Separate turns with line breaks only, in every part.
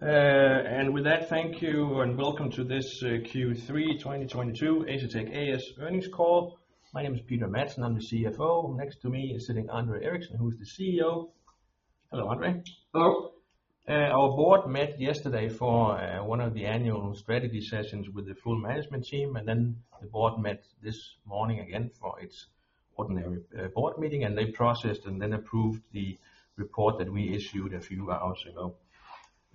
With that, thank you, and welcome to this Q3 2022 Asetek A/S earnings call. My name is Peter Madsen. I'm the CFO. Next to me is sitting André Eriksen, who is the CEO. Hello, André.
Hello.
Our board met yesterday for one of the annual strategy sessions with the full management team and then the board met this morning again for its ordinary board meeting and they processed and then approved the report that we issued a few hours ago.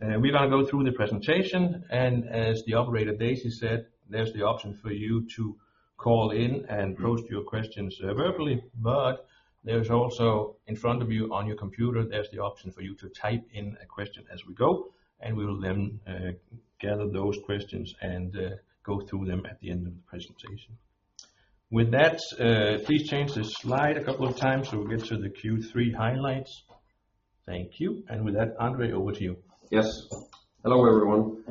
We're gonna go through the presentation and as the operator, Daisy said, there's the option for you to call in and pose your questions verbally, but there's also in front of you on your computer, there's the option for you to type in a question as we go and we will then gather those questions and go through them at the end of the presentation. With that, please change the slide a couple of times, so we'll get to the Q3 highlights. Thank you. With that, André, over to you.
Yes. Hello, everyone.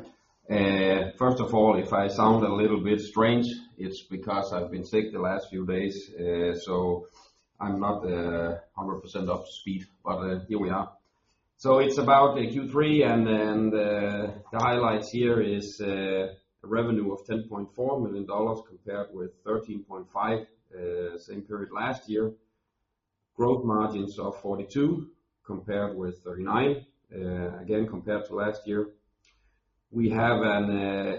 First of all, if I sound a little bit strange, it's because I've been sick the last few days, so I'm not 100% up to speed, but here we are. It's about Q3, and then the highlights here is revenue of $10.4 million compared with $13.5 million same period last year. Gross margins of 42% compared with 39%, again, compared to last year. We have an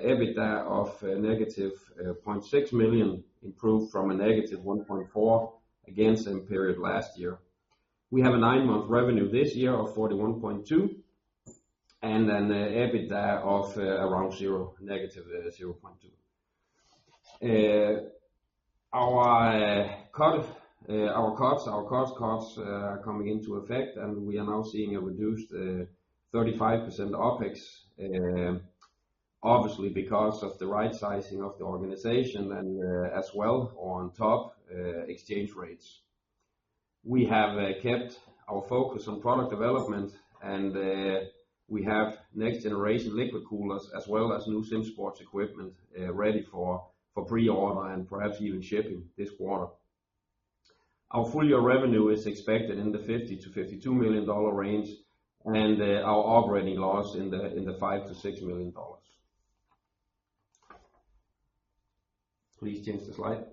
EBITDA of -$0.6 million improved from -$1.4 million against same period last year. We have a nine-month revenue this year of $41.2 million, and an EBITDA of around zero, negative $0.2 million. Our cost cuts are coming into effect and we are now seeing a reduced 35% OPEX, obviously because of the right sizing of the organization and as well on top exchange rates. We have kept our focus on product development and we have next generation liquid coolers as well as new SimSports equipment ready for pre-order and perhaps even shipping this quarter. Our full-year revenue is expected in the $50-$52 million range and our operating loss in the $5-$6 million. Please change the slide.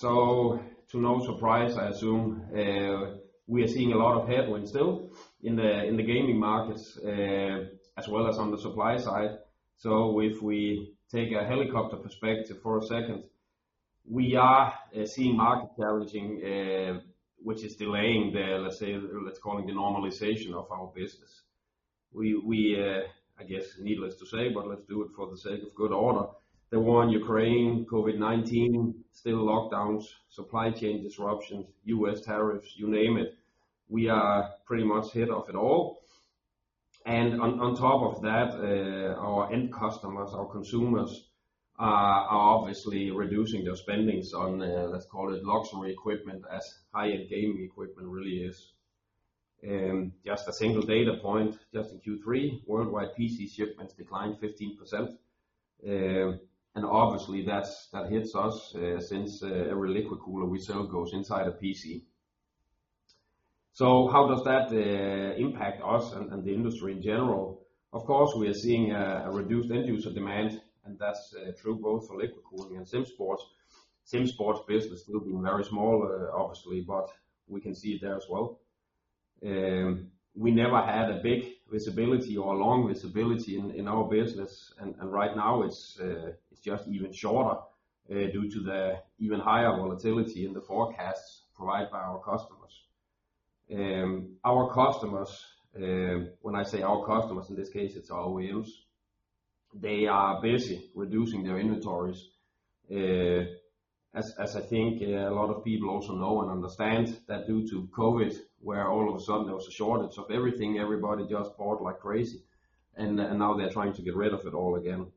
To no surprise, I assume, we are seeing a lot of headwinds still in the gaming markets as well as on the supply side. If we take a helicopter perspective for a second, we are seeing market averaging, which is delaying the, let's say, let's call it the normalization of our business. We, I guess needless to say, but let's do it for the sake of good order. The war in Ukraine, COVID-19, still lockdowns, supply chain disruptions, U.S. tariffs, you name it. We are pretty much hit by it all. On top of that, our end customers, our consumers are obviously reducing their spendings on, let's call it luxury equipment as high-end gaming equipment really is. Just a single data point, just in Q3, worldwide PC shipments declined 15%. Obviously that hits us, since every liquid cooler we sell goes inside a PC. How does that impact us and the industry in general? Of course, we are seeing a reduced end user demand, and that's true both for liquid cooling and SimSports. SimSports business still being very small, obviously, but we can see it there as well. We never had a big visibility or long visibility in our business and right now it's just even shorter due to the even higher volatility in the forecasts provided by our customers. Our customers, when I say our customers, in this case it's our OEMs, they are busy reducing their inventories. As I think a lot of people also know and understand that due to COVID, where all of a sudden there was a shortage of everything, everybody just bought like crazy, and now they're trying to get rid of it all again.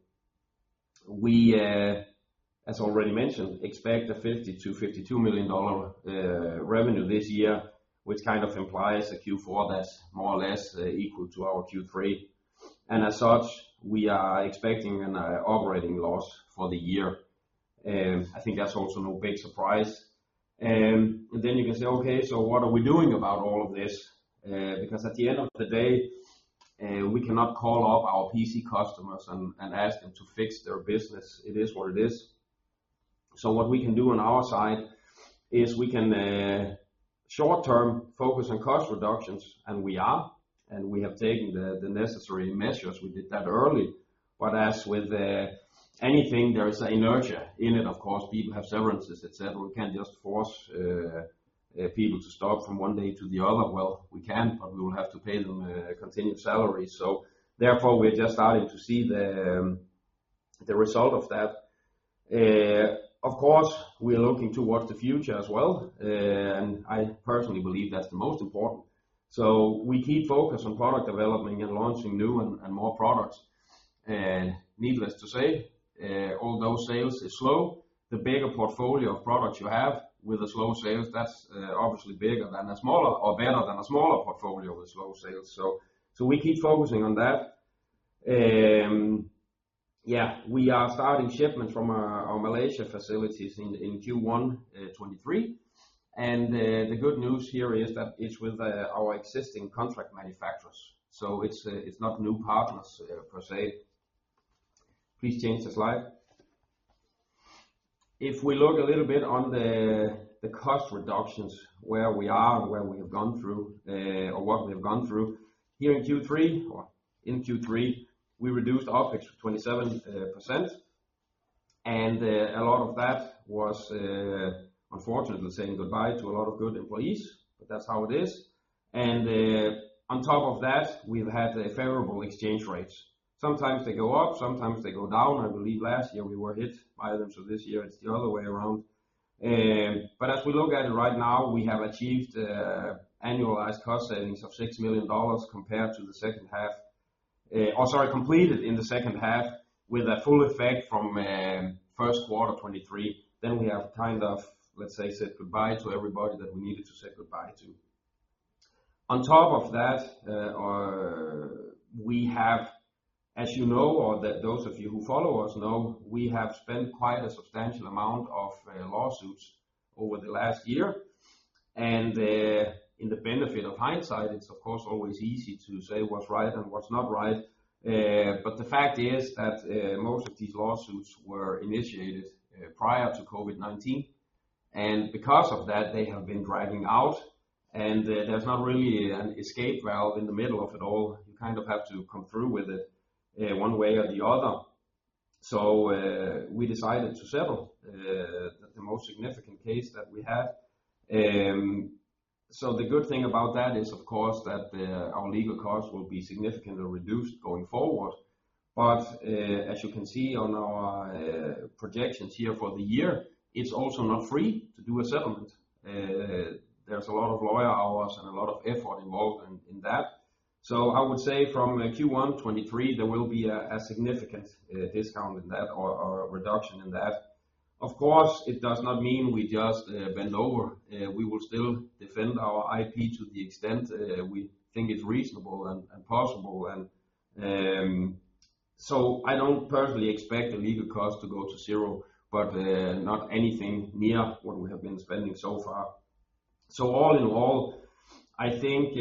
We, as already mentioned, expect $50-$52 million revenue this year, which kind of implies a Q4 that's more or less equal to our Q3. We are expecting an operating loss for the year. I think that's also no big surprise. You can say, "Okay, so what are we doing about all of this?" Because at the end of the day, we cannot call up our PC customers and ask them to fix their business. It is what it is. What we can do on our side is we can short-term focus on cost reductions and we have taken the necessary measures. We did that early. As with anything, there is a inertia in it, of course. People have severances, et cetera. We can't just force people to stop from one day to the other. Well, we can, but we will have to pay them continued salaries. Therefore, we are just starting to see the result of that. Of course, we are looking towards the future as well. I personally believe that's the most important. We keep focused on product development and launching new and more products. Needless to say, although sales is slow, the bigger portfolio of products you have with the slow sales, that's obviously bigger than a smaller or better than a smaller portfolio with slow sales. We keep focusing on that. Yeah, we are starting shipments from our Malaysia facilities in Q1 2023. The good news here is that it's with our existing contract manufacturers, so it's not new partners per se. Please change the slide. If we look a little bit on the cost reductions, where we are and where we have gone through, or what we've gone through. Here in Q3, we reduced OPEX 27%. A lot of that was unfortunately saying goodbye to a lot of good employees, but that's how it is. On top of that, we've had a favorable exchange rates. Sometimes they go up, sometimes they go down. I believe last year we were hit by them, so this year it's the other way around. But as we look at it right now, we have achieved annualized cost savings of $6 million compared to the second half. Completed in the second half with a full effect from first quarter 2023. We have kind of, let's say, said goodbye to everybody that we needed to say goodbye to. On top of that, we have, as you know, those of you who follow us know, we have spent quite a substantial amount on lawsuits over the last year. With the benefit of hindsight, it's of course always easy to say what's right and what's not right. But the fact is that most of these lawsuits were initiated prior to COVID-19. Because of that, they have been dragging out and there's not really an escape valve in the middle of it all. You kind of have to come through with it one way or the other. We decided to settle the most significant case that we had. The good thing about that is, of course, that our legal costs will be significantly reduced going forward. As you can see on our projections here for the year, it's also not free to do a settlement. There's a lot of lawyer hours and a lot of effort involved in that. I would say from Q1 2023, there will be a significant discount in that or reduction in that. Of course, it does not mean we just bend over. We will still defend our IP to the extent we think is reasonable and possible. I don't personally expect the legal cost to go to zero, but not anything near what we have been spending so far. All in all, I think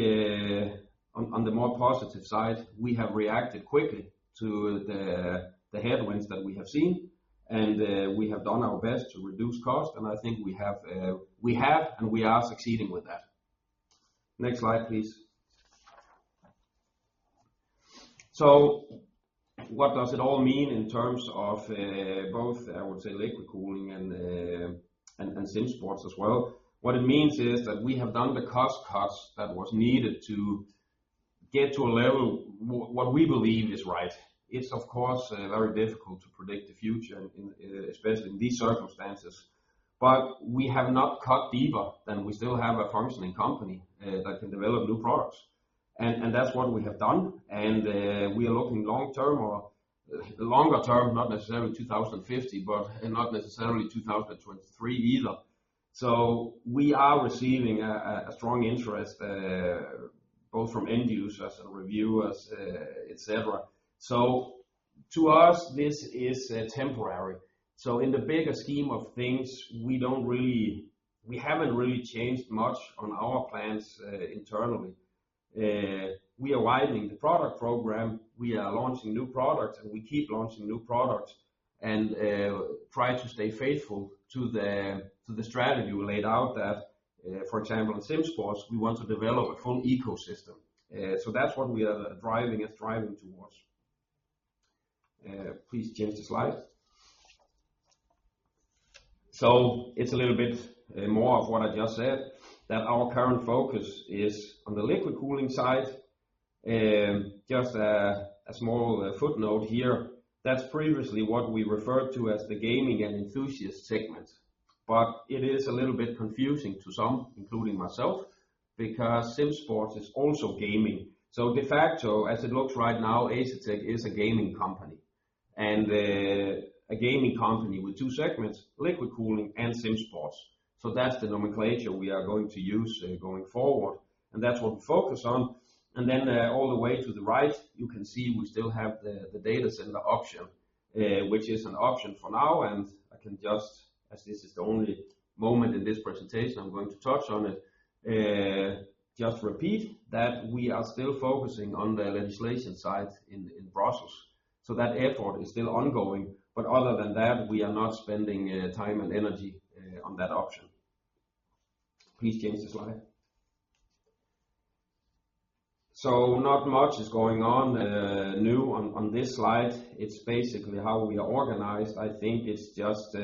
on the more positive side, we have reacted quickly to the headwinds that we have seen and we have done our best to reduce cost. I think we have and we are succeeding with that. Next slide, please. What does it all mean in terms of both, I would say liquid cooling and SimSports as well? What it means is that we have done the cost cuts that was needed to get to a level what we believe is right. It's of course very difficult to predict the future in, especially in these circumstances. We have not cut deeper than we still have a functioning company that can develop new products. That's what we have done. We are looking long-term or longer term, not necessarily 2050, but not necessarily 2023 either. We are receiving a strong interest both from end users and reviewers, et cetera. To us, this is temporary. In the bigger scheme of things, we haven't really changed much on our plans, internally. We are widening the product program. We are launching new products and we keep launching new products and try to stay faithful to the strategy we laid out that, for example, in SimSports, we want to develop a full ecosystem. That's what we are driving and striving towards. Please change the slide. It's a little bit more of what I just said that our current focus is on the liquid cooling side. Just a small footnote here. That's previously what we referred to as the gaming and enthusiast segment. It is a little bit confusing to some, including myself, because SimSports is also gaming. De facto, as it looks right now, Asetek is a gaming company and a gaming company with two segments, liquid cooling and SimSports. That's the nomenclature we are going to use going forward, and that's what we focus on. Then all the way to the right, you can see we still have the data center option, which is an option for now. I can just, as this is the only moment in this presentation I'm going to touch on it, just repeat that we are still focusing on the legislation side in Brussels. That effort is still ongoing, but other than that, we are not spending time and energy on that option. Please change the slide. Not much is going on new on this slide. It's basically how we are organized. I think it's just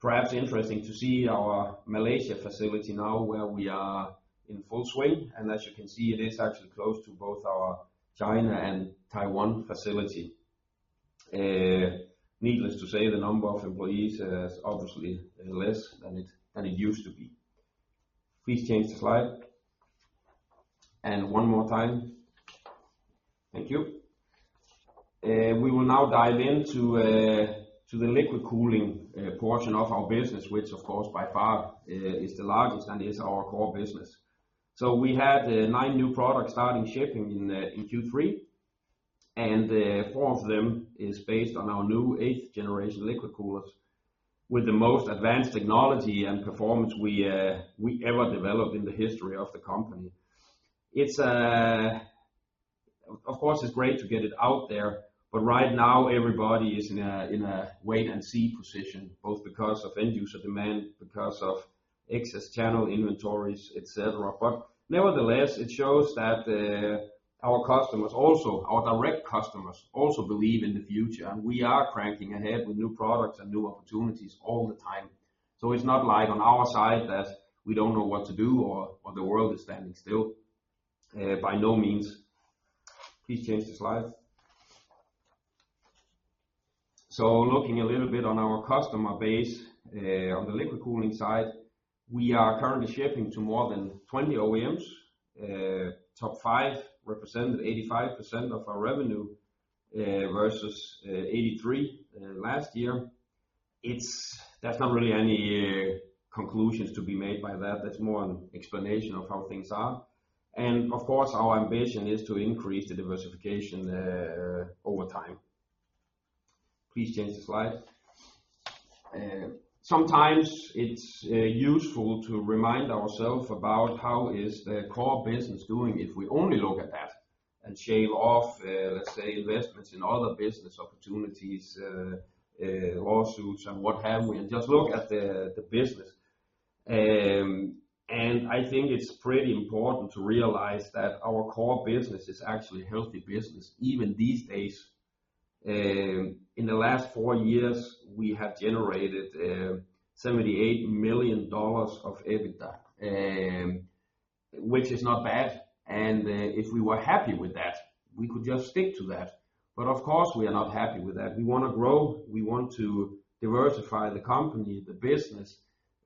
perhaps interesting to see our Malaysia facility now where we are in full swing. As you can see, it is actually close to both our China and Taiwan facility. Needless to say, the number of employees is obviously less than it used to be. Please change the slide. One more time. Thank you. We will now dive into the liquid cooling portion of our business, which of course by far is the largest and is our core business. We had nine new products starting shipping in Q3, and four of them is based on our new eighth-generation liquid coolers with the most advanced technology and performance we ever developed in the history of the company. Of course, it's great to get it out there, but right now everybody is in a wait and see position, both because of end user demand, because of excess channel inventories, et cetera. Nevertheless, it shows that our customers also, our direct customers also believe in the futur and we are cranking ahead with new products and new opportunities all the time. It's not like on our side that we don't know what to do or the world is standing still by no means. Please change the slide. Looking a little bit on our customer base on the liquid cooling side, we are currently shipping to more than 20 OEMs. Top five represented 85% of our revenue versus 83% last year. There's not really any conclusions to be made by that. That's more an explanation of how things are and of course, our ambition is to increase the diversification over time. Please change the slide. Sometimes it's useful to remind ourselves about how is the core business doing if we only look at that and shave off, let's say, investments in other business opportunities, lawsuits and what have you, and just look at the business. I think it's pretty important to realize that our core business is actually healthy business even these days. In the last four years, we have generated $78 million of EBITDA, which is not bad. If we were happy with that, we could just stick to that, but of course, we are not happy with that. We wanna grow. We want to diversify the company, the business.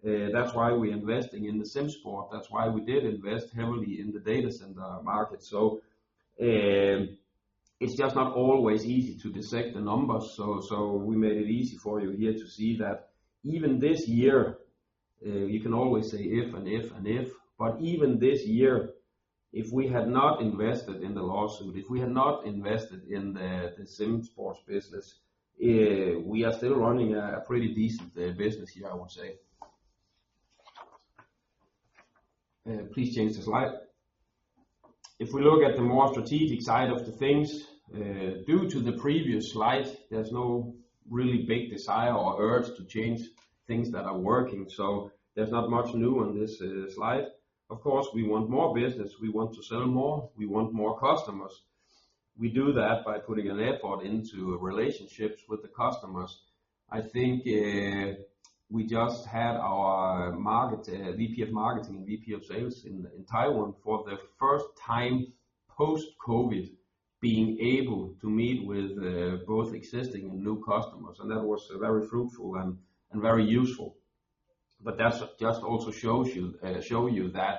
That's why we're investing in SimSports. That's why we did invest heavily in the data center market. It's just not always easy to dissect the numbers. We made it easy for you here to see that even this year, you can always say if and if and if, but even this year, if we had not invested in the lawsuit, if we had not invested in the SimSports business, we are still running a pretty decent business here, I would say. Please change the slide. If we look at the more strategic side of the things, due to the previous slide, there's no really big desire or urge to change things that are working. There's not much new on this slide. Of course, we want more business. We want to sell more. We want more customers. We do that by putting an effort into relationships with the customers. I think we just had our VP of marketing, VP of sales in Taiwan for the first time post-COVID being able to meet with both existing and new customers. That was very fruitful and very useful. That just also shows you that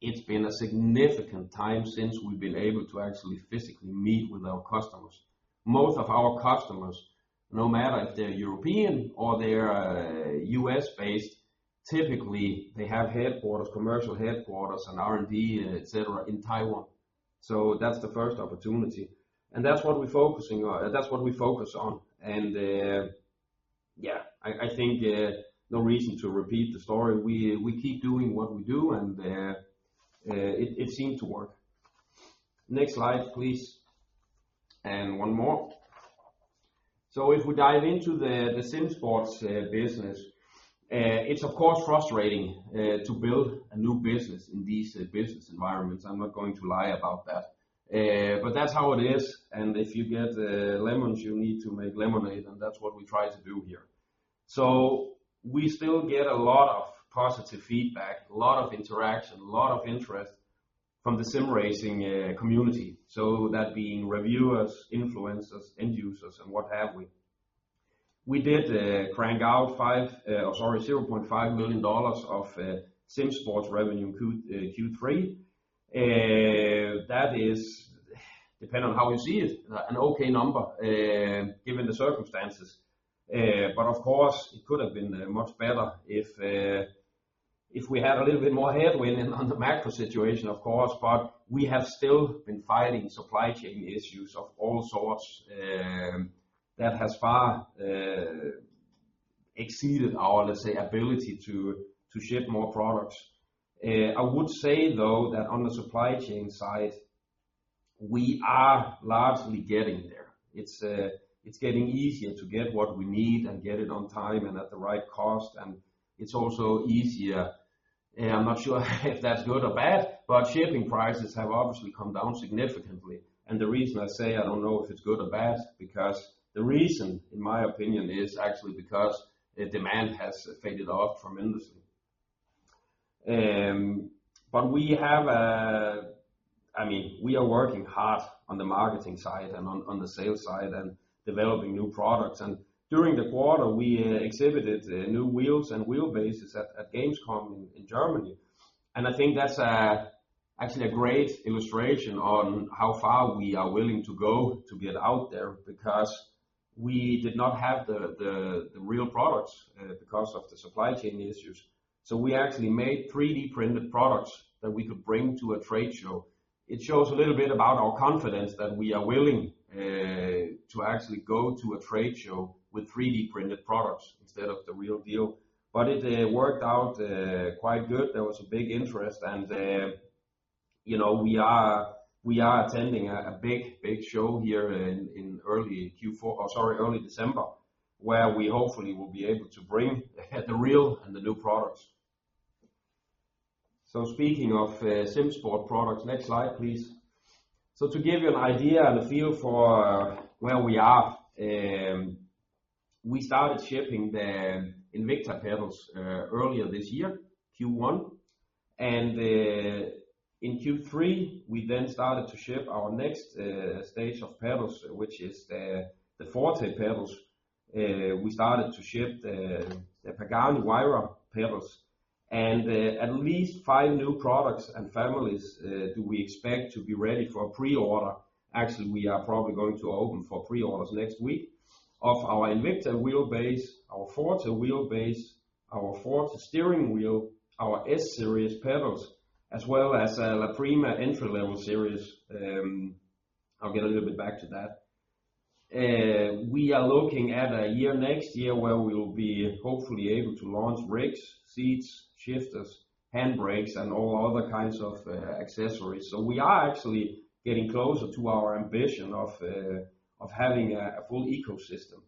it's been a significant time since we've been able to actually physically meet with our customers. Most of our customers, no matter if they're European or they're U.S.-based, typically they have headquarters, commercial headquarters and R&D, etc., in Taiwan. That's the first opportunity. That's what we're focusing on. That's what we focus on. I think no reason to repeat the story. We keep doing what we do and it seemed to work. Next slide, please. One more. If we dive into the SimSports business, it's of course frustrating to build a new business in these business environments. I'm not going to lie about that. That's how it is. If you get lemons, you need to make lemonade, and that's what we try to do here. We still get a lot of positive feedback, a lot of interaction, a lot of interest from the sim racing community. That being reviewers, influencers, end users and what have we. We did crank out $0.5 million of SimSports revenue in Q3. That is, depending on how you see it, an okay number given the circumstances. Of course, it could have been much better if we had a little bit more headwind in on the macro situation, of course. We have still been fighting supply chain issues of all sorts that has far exceeded our, let's say, ability to ship more products. I would say though that on the supply chain side, we are largely getting there. It's getting easier to get what we need and get it on time and at the right cost and it's also easier. I'm not sure if that's good or bad, but shipping prices have obviously come down significantly. The reason I say I don't know if it's good or bad, because the reason, in my opinion, is actually because the demand has faded off tremendously. We have I mean, we are working hard on the marketing side and on the sales side and developing new products. During the quarter, we exhibited new wheels and wheelbases at Gamescom in Germany. I think that's actually a great illustration of how far we are willing to go to get out there because we did not have the real products because of the supply chain issues, so we actually made 3D-printed products that we could bring to a trade show. It shows a little bit about our confidence that we are willing to actually go to a trade show with 3D-printed products instead of the real deal. It worked out quite good. There was a big interest and we are attending a big show here in early Q4, or sorry, early December, where we hopefully will be able to bring the real and the new products. Speaking of SimSports products, next slide, please. To give you an idea and a feel for where we are, we started shipping the Invicta pedals earlier this year, Q1. In Q3, we then started to ship our next stage of pedals, which is the Forte pedals. We started to ship the Pagani Huayra pedals and at least five new products and families we do expect to be ready for pre-order. Actually, we are probably going to open for pre-orders next week of our Invicta wheelbase, our Forte wheelbase, our Forte steering wheel, our S-Series pedals, as well as La Prima entry-level series. I'll get a little bit back to that. We are looking at a year next year where we'll be hopefully able to launch rigs, seats, shifters, handbrakes and all other kinds of accessories. We are actually getting closer to our ambition of having a full ecosystem.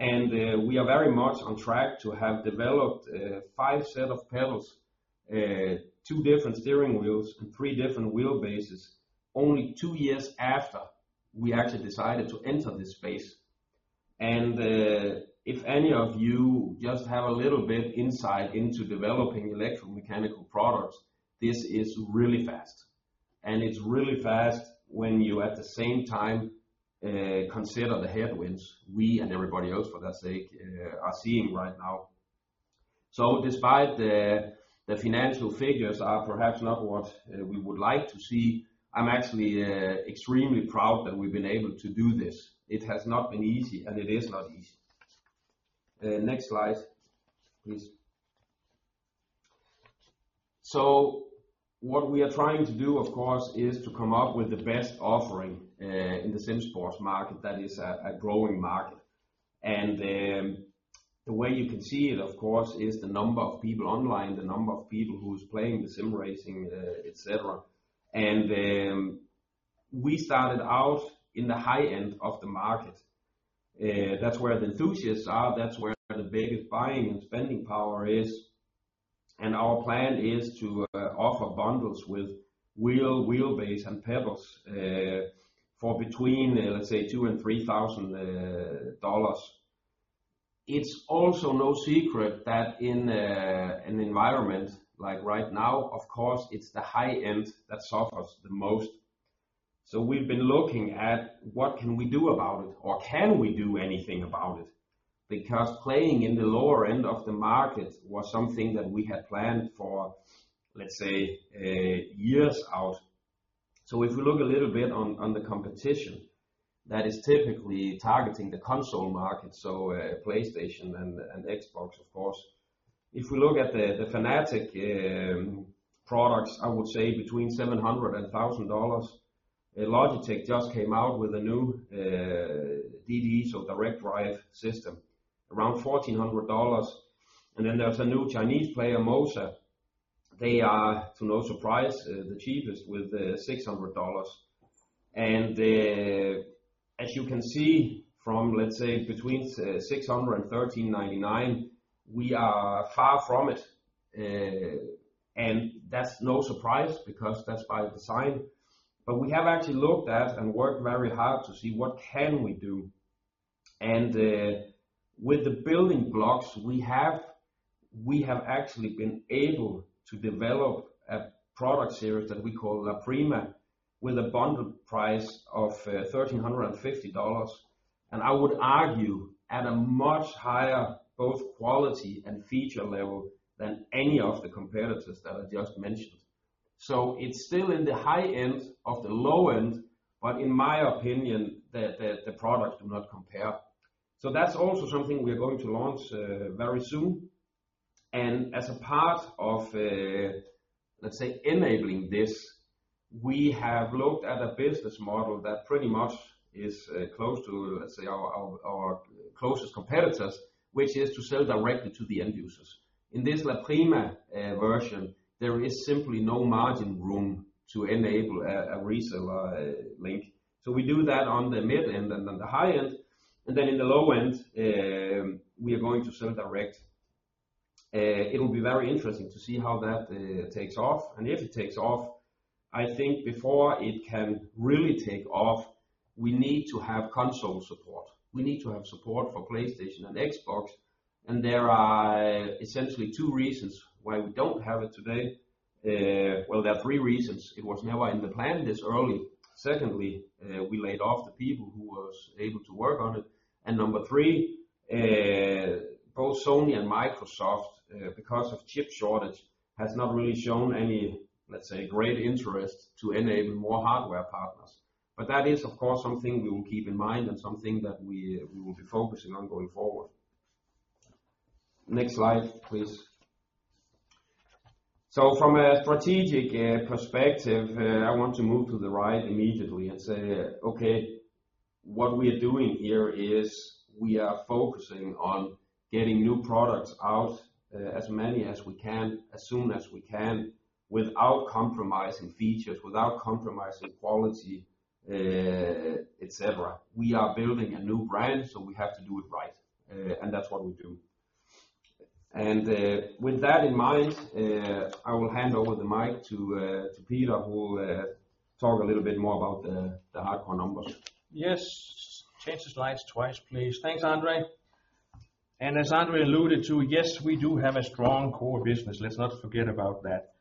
We are very much on track to have developed five set of pedals, two different steering wheels and three different wheelbases only two years after we actually decided to enter this space. If any of you just have a little bit insight into developing electromechanical products, this is really fast and it's really fast when you, at the same time, consider the headwinds we and everybody else, for that sake, are seeing right now. Despite the financial figures are perhaps not what we would like to see, I'm actually extremely proud that we've been able to do this. It has not been easy and it is not easy. Next slide, please. What we are trying to do, of course, is to come up with the best offering in the SimSports market that is a growing market. The way you can see it, of course, is the number of people online, the number of people who's playing the sim racing, et cetera. We started out in the high end of the market. That's where the enthusiasts are. That's where the biggest buying and spending power is and our plan is to offer bundles with wheel, wheelbase and pedals for between, let's say $2,000-$3,000. It's also no secret that in an environment like right now, of course, it's the high end that suffers the most. We've been looking at what can we do about it or can we do anything about it? Because playing in the lower end of the market was something that we had planned for, let's say, years out. If we look a little bit on the competition, that is typically targeting the console market, PlayStation and Xbox of course. If we look at Fanatec products, I would say between $700 and $1,000. Logitech just came out with a new DD, so direct drive system, around $1,400. Then there's a new Chinese player, MOZA. They are, to no surprise, the cheapest with $600. As you can see from, let's say between $600 and $1,399, we are far from it. That's no surprise because that's by design. We have actually looked at and worked very hard to see what we can do. With the building blocks we have, we have actually been able to develop a product series that we call La Prima with a bundle price of $1,350, and I would argue at a much higher both quality and feature level than any of the competitors that I just mentioned. It's still in the high end of the low end, but in my opinion, the products do not compare. That's also something we are going to launch very soon. As a part of, let's say, enabling this, we have looked at a business model that pretty much is close to, let's say our closest competitors, which is to sell directly to the end users. In this La Prima version, there is simply no margin room to enable a reseller link. We do that on the mid end and on the high end, and then in the low end, we are going to sell direct. It'll be very interesting to see how that takes off and if it takes off. I think before it can really take off, we need to have console support. We need to have support for PlayStation and Xbox, and there are essentially two reasons why we don't have it today. Well, there are three reasons. It was never in the plan this early. Secondly, we laid off the people who was able to work on it. Number three, both Sony and Microsoft, because of chip shortage, has not really shown any, let's say, great interest to enable more hardware partners. That is, of course, something we will keep in mind and something that we will be focusing on going forward. Next slide, please. From a strategic perspective, I want to move to the right immediately and say, okay, what we are doing here is we are focusing on getting new products out, as many as we can, as soon as we can, without compromising features, without compromising quality, et cetera. We are building a new brand, so we have to do it right, and that's what we do. With that in mind, I will hand over the mic to Peter, who talk a little bit more about the hardcore numbers.
Yes. Change the slides twice, please. Thanks, André. As André alluded to, yes, we do have a strong core business. Let's not forget about that.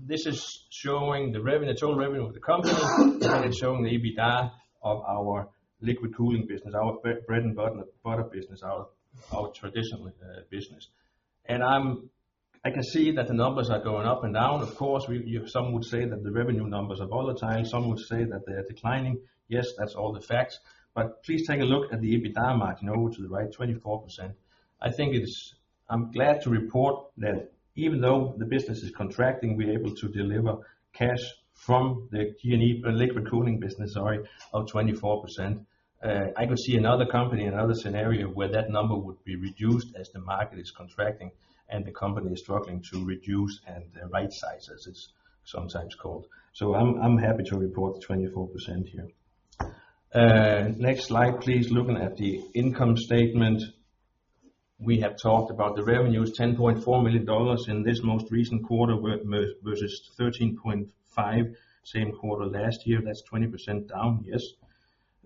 This is showing the revenue, total revenue of the company, and it's showing the EBITDA of our liquid cooling business, our bread and butter business, our traditional business. I can see that the numbers are going up and down. Of course, some would say that the revenue numbers are volatile, some would say that they're declining. Yes, that's all the facts. Please take a look at the EBITDA margin, over to the right, 24%. I think it is. I'm glad to report that even though the business is contracting, we're able to deliver cash from the G&E liquid cooling business, sorry, of 24%. I could see another company, another scenario where that number would be reduced as the market is contracting and the company is struggling to reduce and right-size, as it's sometimes called. I'm happy to report the 24% here. Next slide, please. Looking at the income statement. We have talked about the revenues, $10.4 million in this most recent quarter versus $13.5 million same quarter last year. That's 20% down. Yes.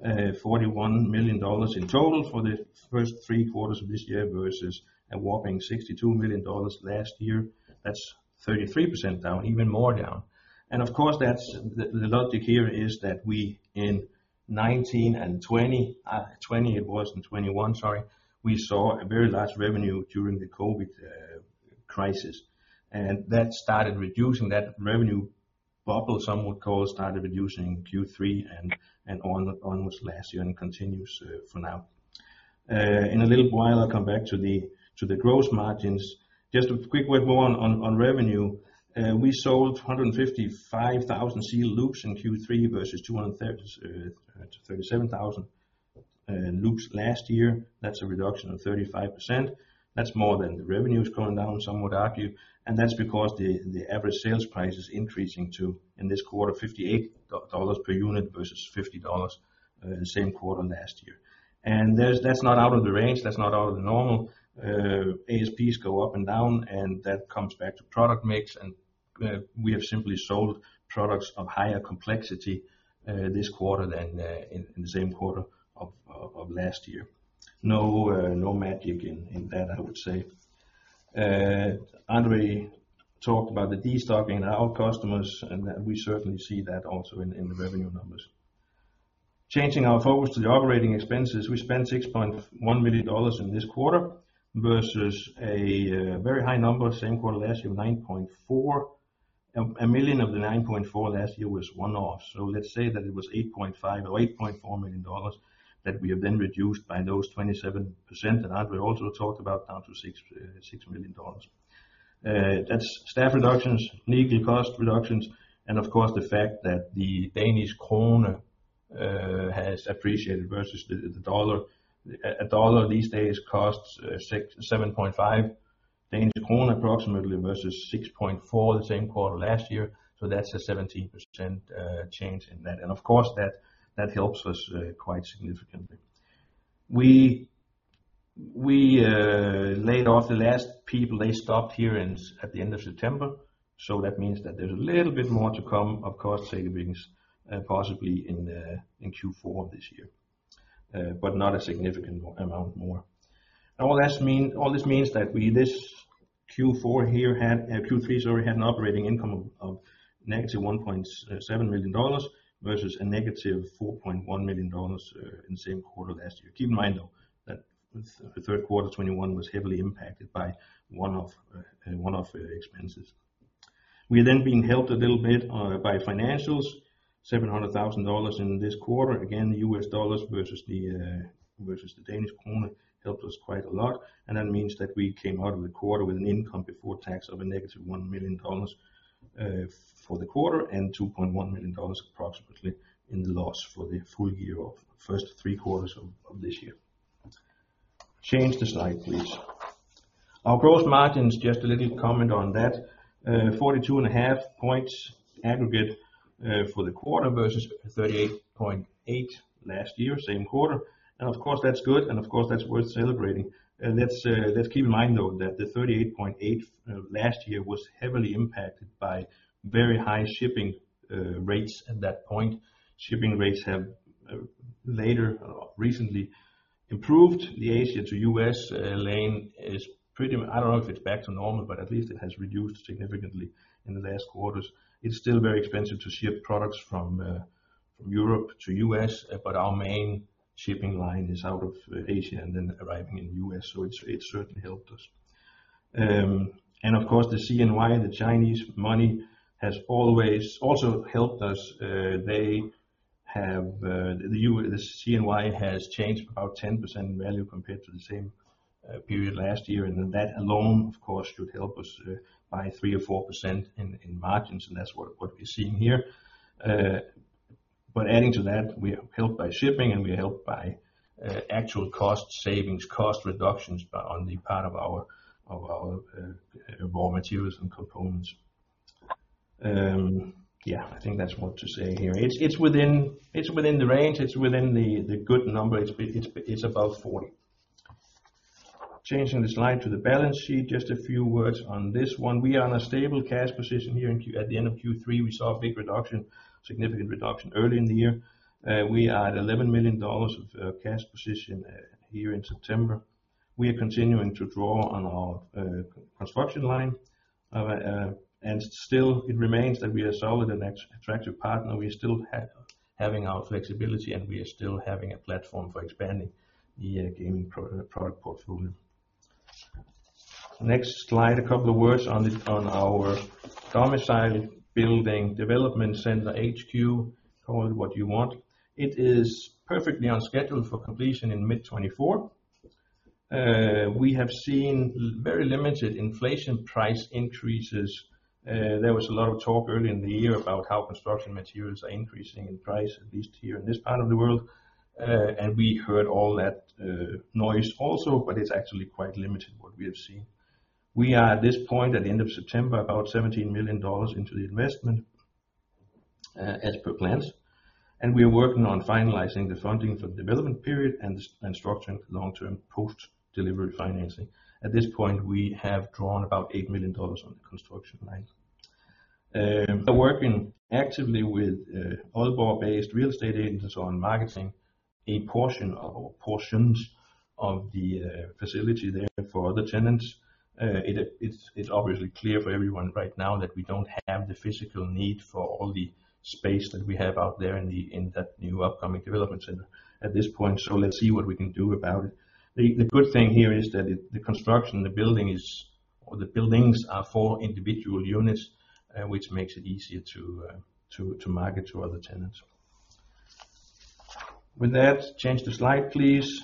$41 million in total for the first three quarters of this year versus a whopping $62 million last year. That's 33% down, even more down. Of course, that's the logic here is that we in 2019 and 2020, and 2021, sorry, we saw a very large revenue during the COVID-19 crisis. That started reducing that revenue bubble, some would call, reducing Q3 and onwards last year and continues for now. In a little while, I'll come back to the gross margins. Just a quick word more on revenue. We sold 155,000 sealed loops in Q3 versus 237,000 loops last year. That's a reduction of 35%. That's more than the revenue is going down, some would argue. That's because the average sales price is increasing to, in this quarter, $58 per unit versus $50 the same quarter last year. That's not out of the range, that's not out of the normal. ASPs go up and down, and that comes back to product mix. We have simply sold products of higher complexity this quarter than in the same quarter of last year. No magic in that, I would say. André talked about the destocking by our customers, we certainly see that also in the revenue numbers. Changing our focus to the operating expenses, we spent $6.1 million in this quarter versus a very high number same quarter last year, $9.4 million. A million of the $9.4 million last year was one-off. Let's say that it was $8.5 million or $8.4 million that we have then reduced by those 27%. André also talked about down to $6 million. That's staff reductions, legal cost reductions, and of course, the fact that the Danish krone has appreciated versus the dollar. A dollar these days costs 7.5 Danish krone approximately versus 6.4 the same quarter last year. That's a 17% change in that. Of course that helps us quite significantly. We laid off the last people. They stopped here at the end of September. That means that there's a little bit more to come, of course, savings, possibly in Q4 this year, but not a significant amount more. All this means that we had in Q3 an operating income of negative $1.7 million versus a negative $4.1 million in the same quarter last year. Keep in mind, though, that the third quarter 2021 was heavily impacted by one-off expenses. We were then being helped a little bit by financials $700 thousand in this quarter. Again, the US dollar versus the Danish krone helped us quite a lot. That means that we came out of the quarter with an income before tax of a negative $1 million for the quarter and approximately $2.1 million in the loss for the full year of the first three quarters of this year. Change the slide, please. Our gross margins, just a little comment on that. 42.5% aggregate for the quarter versus 38.8% last year, same quarter. Of course that's good, and of course that's worth celebrating. Let's keep in mind though that the 38.8% last year was heavily impacted by very high shipping rates at that point. Shipping rates have lately or recently improved. The Asia to U.S. lane is pretty much, I don't know if it's back to normal, but at least it has reduced significantly in the last quarters. It's still very expensive to ship products from Europe to U.S., but our main shipping line is out of Asia and then arriving in U.S. It certainly helped us. Of course, the CNY, the Chinese money has always also helped us. The CNY has changed about 10% in value compared to the same period last year. That alone, of course, should help us by 3% or 4% in margins, and that's what we're seeing here. Adding to that, we are helped by shipping, and we are helped by actual cost savings, cost reductions on the part of our raw materials and components. Yeah, I think that's what to say here. It's within the range. It's within the good number. It's above 40. Changing the slide to the balance sheet, just a few words on this one. We are on a stable cash position here in Q3. At the end of Q3, we saw a big reduction, significant reduction early in the year. We are at $11 million of cash position here in September. We are continuing to draw on our construction line. Still it remains that we are solid and attractive partner. We are still having our flexibility, and we are still having a platform for expanding the gaming product portfolio. Next slide, a couple of words on our domicile building development center HQ. Call it what you want. It is perfectly on schedule for completion in mid-2024. We have seen very limited inflation price increases. There was a lot of talk early in the year about how construction materials are increasing in price, at least here in this part of the world. We heard all that noise also, but it's actually quite limited what we have seen. We are at this point, at the end of September, about $17 million into the investment, as per plans. We are working on finalizing the funding for the development period and structuring long-term post-delivery financing. At this point, we have drawn about $8 million on the construction line. We're working actively with Aalborg-based real estate agents on marketing a portion or portions of the facility there for other tenants. It's obviously clear for everyone right now that we don't have the physical need for all the space that we have out there in that new upcoming development center at this point. Let's see what we can do about it. The good thing here is that the construction, the building is, or the buildings are four individual units, which makes it easier to market to other tenants. With that, change the slide, please.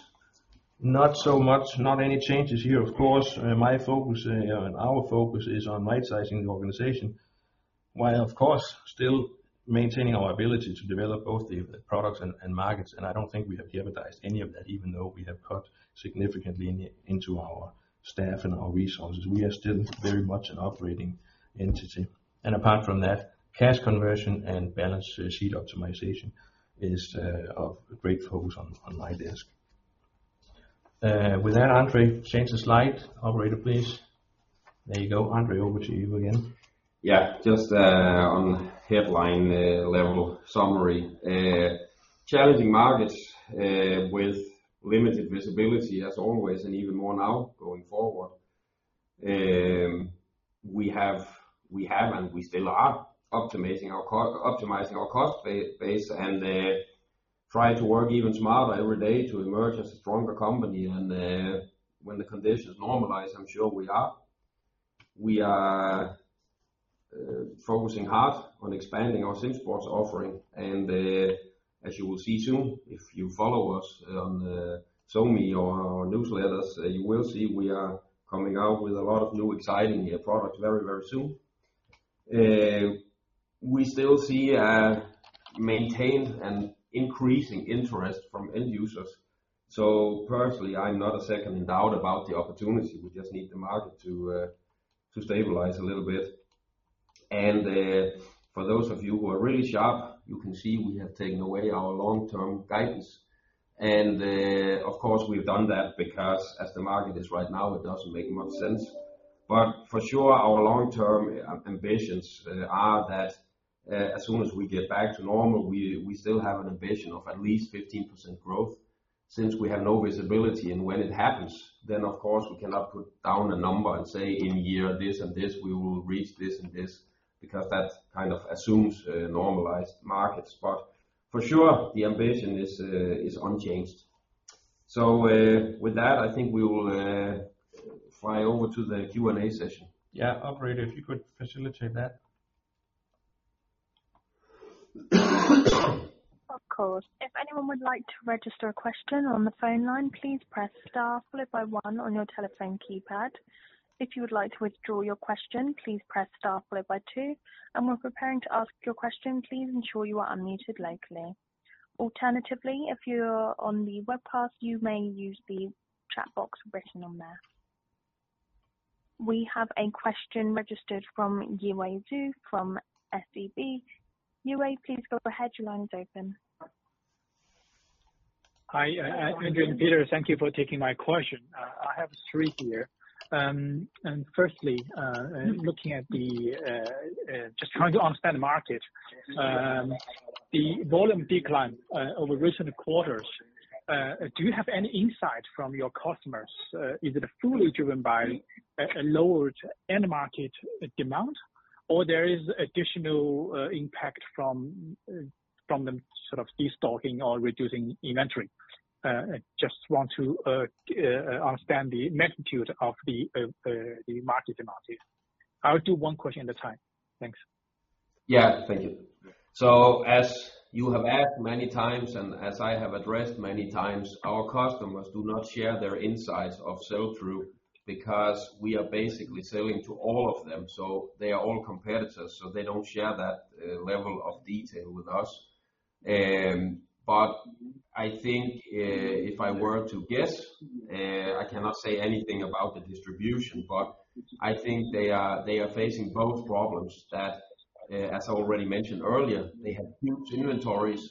Not so much, not any changes here, of course. My focus and our focus is on rightsizing the organization, while of course still maintaining our ability to develop both the products and markets. I don't think we have jeopardized any of that, even though we have cut significantly into our staff and our resources. We are still very much an operating entity. Apart from that, cash conversion and balance sheet optimization is of great focus on my desk. With that, André, change the slide, operator, please. There you go. André, over to you again.
Yeah. Just, on headline, level summary. Challenging markets, with limited visibility as always and even more now going forward. We have and we still are optimizing our cost base, and try to work even smarter every day to emerge as a stronger company. When the conditions normalize, I'm sure we are. We are focusing hard on expanding our SimSports offering. As you will see soon, if you follow us on SoMe or our newsletters, you will see we are coming out with a lot of new exciting products very, very soon. We still see a maintained and increasing interest from end users. Personally, I'm not a second in doubt about the opportunity. We just need the market to stabilize a little bit. For those of you who are really sharp, you can see we have taken away our long-term guidance. Of course, we've done that because as the market is right now, it doesn't make much sense. For sure, our long-term ambitions are that as soon as we get back to normal, we still have an ambition of at least 15% growth. Since we have no visibility and when it happens, then of course we cannot put down a number and say in year this and this, we will reach this and this, because that kind of assumes a normalized markets. For sure, the ambition is unchanged. With that, I think we will fly over to the Q&A session.
Yeah. Operator, if you could facilitate that.
Of course. If anyone would like to register a question on the phone line, please press star followed by one on your telephone keypad. If you would like to withdraw your question, please press star followed by two. When preparing to ask your question, please ensure you are unmuted locally. Alternatively, if you are on the webcast, you may use the chat box written on there. We have a question registered from Yiwei Xu from SEB. Yiwei, please go ahead. Your line is open.
Hi, André and Peter, thank you for taking my question. I have three here. Firstly, just trying to understand the market. The volume decline over recent quarters. Do you have any insight from your customers? Is it fully driven by a lowered end market demand or there is additional impact from them sort of destocking or reducing inventory? I just want to understand the magnitude of the market demand here. I will do one question at a time. Thanks.
Yeah, thank you. As you have asked many times, and as I have addressed many times, our customers do not share their insights of sell-through because we are basically selling to all of them. They are all competitors, so they don't share that level of detail with us. but I think, if I were to guess, I cannot say anything about the distribution, but I think they are facing both problems that, as I already mentioned earlier, they have huge inventories.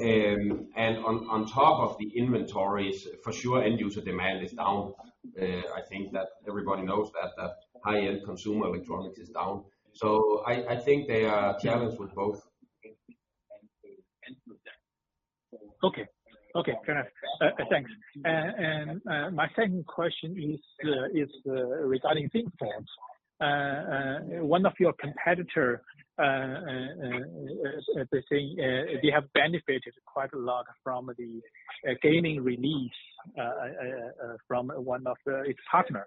On top of the inventories, for sure end user demand is down. I think that everybody knows that high-end consumer electronics is down. I think they are challenged with both.
Okay. Okay, fair enough. Thanks. My second question is regarding SimSports. One of your competitor, they're saying they have benefited quite a lot from the gaming release from one of its partner.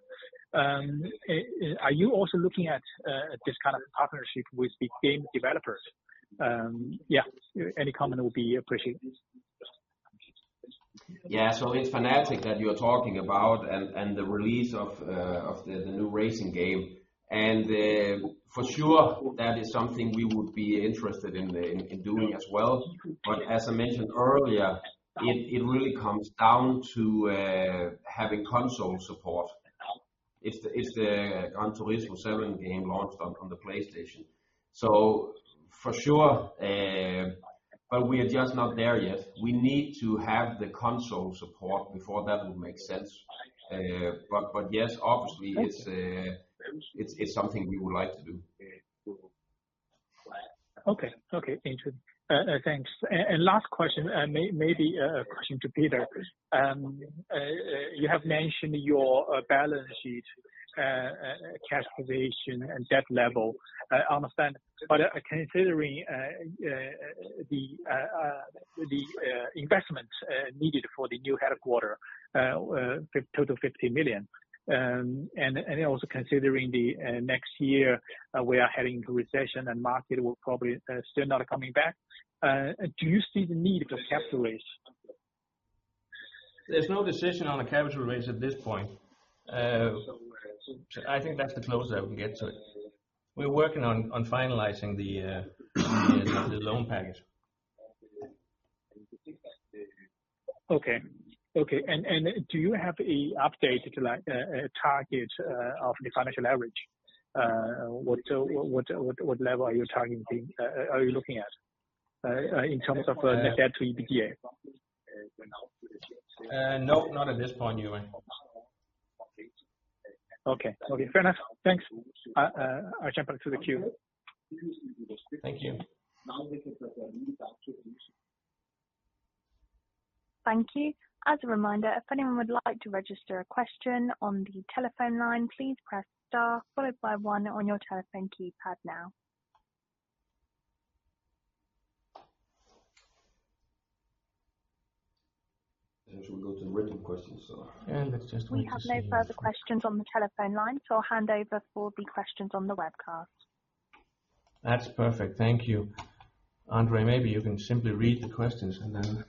Yeah, any comment would be appreciated.
Yeah. It's Fanatec that you're talking about and the release of the new racing game. For sure that is something we would be interested in doing as well. As I mentioned earlier, it really comes down to having console support. It's the Gran Turismo seven game launched on the PlayStation. For sure, but we are just not there yet. We need to have the console support before that would make sense. Yes, obviously it's something we would like to do.
Okay. Interesting. Thanks. Last question, maybe a question to Peter. You have mentioned your balance sheet, cash position and debt level. I understand, but considering the investment needed for the new headquarters, total $50 million. Also considering next year, we are heading to recession and market will probably still not coming back. Do you see the need of capital raise?
There's no decision on the capital raise at this point. I think that's the closest I can get to it. We're working on finalizing the loan package.
Do you have an updated target of the financial leverage? What level are you looking at in terms of net debt to EBITDA?
No, not at this point, Yiwei Xu.
Okay. Okay, fair enough. Thanks. I'll jump back to the queue.
Thank you.
Thank you. As a reminder, if anyone would like to register a question on the telephone line, please press star followed by one on your telephone keypad now.
Actually go to the written questions.
And let's just-
We have no further questions on the telephone line. I'll hand over for the questions on the webcast.
That's perfect. Thank you. André, maybe you can simply read the questions and then.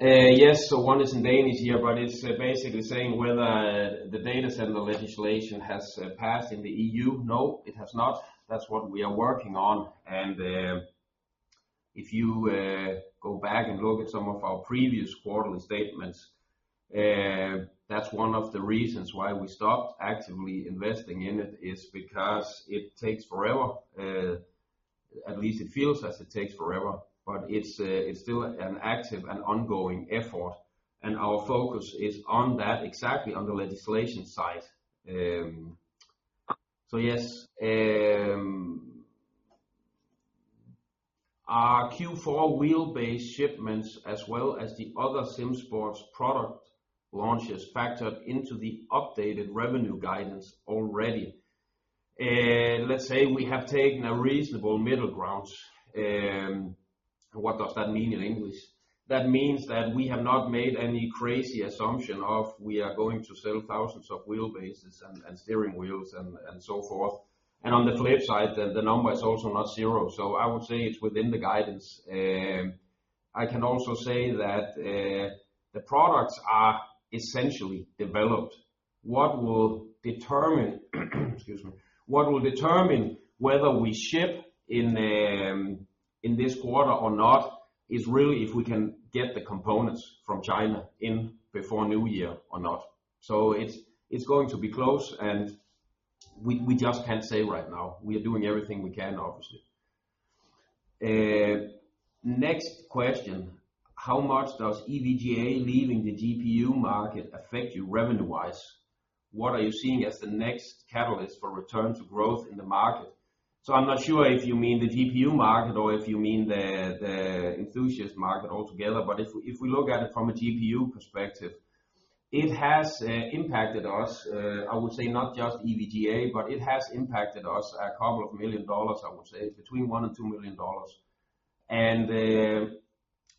One is in Danish here, but it's basically saying whether the data center legislation has passed in the EU. No, it has not. That's what we are working on. If you go back and look at some of our previous quarterly statements, that's one of the reasons why we stopped actively investing in it, is because it takes forever. At least it feels as it takes forever. It's still an active and ongoing effort, and our focus is on that exactly on the legislation side. Yes. Are Q4 wheelbase shipments as well as the other SimSports product launches factored into the updated revenue guidance already? Let's say we have taken a reasonable middle ground. What does that mean in English? That means that we have not made any crazy assumption of we are going to sell thousands of wheelbases and steering wheels and so forth. On the flip side, the number is also not zero. I would say it's within the guidance. I can also say that the products are essentially developed. What will determine whether we ship in this quarter or not is really if we can get the components from China in before New Year or not. It's going to be close and we just can't say right now. We are doing everything we can, obviously.
Next question: How much does EVGA leaving the GPU market affect your revenue-wise? What are you seeing as the next catalyst for return to growth in the market? I'm not sure if you mean the GPU market or if you mean the enthusiast market altogether. If we look at it from a GPU perspective, it has impacted us. I would say not just EVGA, but it has impacted us a couple of million dollars, I would say. It's between $1 million and $2 million.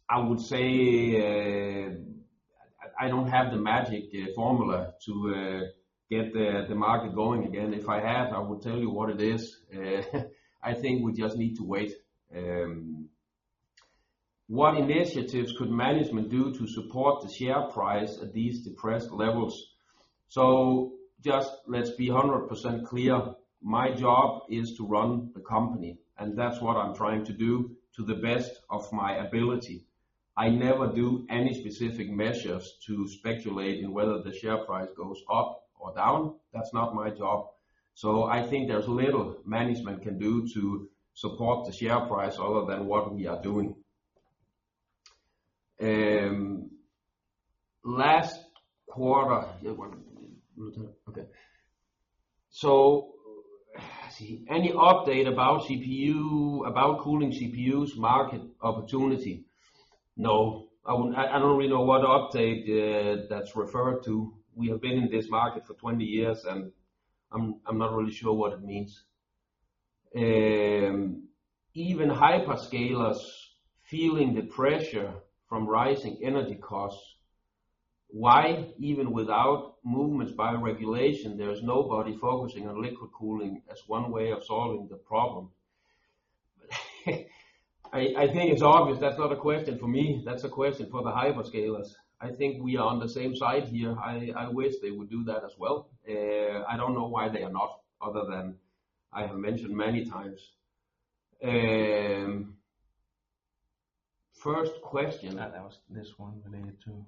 I would say, I don't have the magic formula to get the market going again. If I had, I would tell you what it is. I think we just need to wait. What initiatives could management do to support the share price at these depressed levels? Let's be 100% clear. My job is to run the company, and that's what I'm trying to do to the best of my ability. I never do any specific measures to speculate in whether the share price goes up or down. That's not my job. I think there's little management can do to support the share price other than what we are doing. Any update about CPU, about cooling CPU's market opportunity? No. I don't really know what update that's referred to. We have been in this market for 20 years, and I'm not really sure what it means. Even hyperscalers feeling the pressure from rising energy costs, why even without movements by regulation, there is nobody focusing on liquid cooling as one way of solving the problem? I think it's obvious that's not a question for me. That's a question for the hyperscalers. I think we are on the same side here. I wish they would do that as well. I don't know why they are not other than I have mentioned many times. First question. That was this one related to.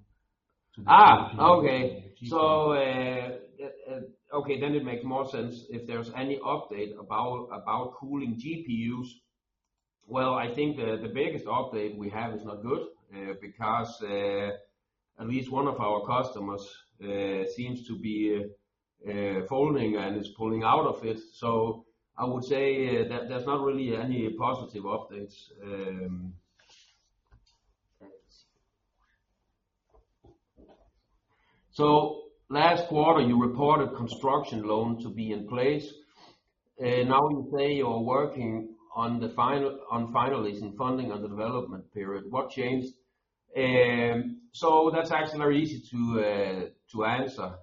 Then it makes more sense if there's any update about cooling GPUs. Well, I think the biggest update we have is not good, because at least one of our customers seems to be folding and is pulling out of it. I would say there's not really any positive updates. Last quarter you reported construction loan to be in place. Now you say you're working on finalizing funding on the development period. What changed? That's actually very easy to answer.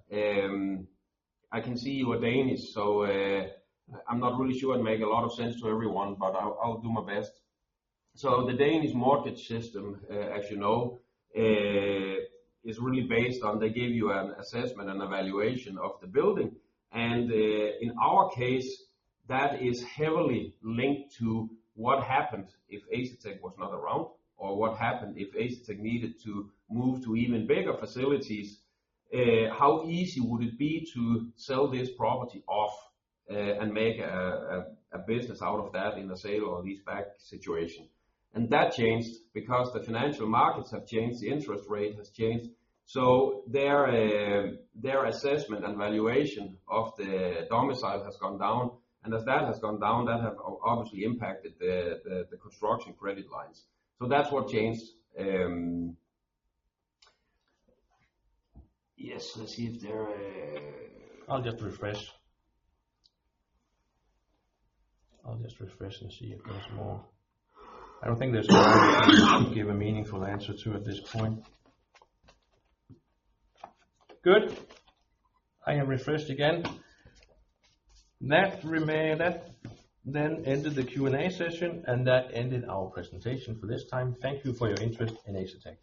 I can see you are Danish, so I'm not really sure it'd make a lot of sense to everyone, but I'll do my best. The Danish mortgage system, as you know, is really based on they give you an assessment and evaluation of the building. In our case, that is heavily linked to what happened if Asetek was not around or what happened if Asetek needed to move to even bigger facilities, how easy would it be to sell this property off, and make a business out of that in a sale or lease back situation? That changed because the financial markets have changed, the interest rate has changed. Their assessment and valuation of the domicile has gone down. As that has gone down, that have obviously impacted the construction credit lines. That's what changed. Yes. Let's see if there. I'll just refresh and see if there's more. I don't think there's more to give a meaningful answer to at this point. Good. I am refreshed again. That then ended the Q&A session, and that ended our presentation for this time. Thank you for your interest in Asetek.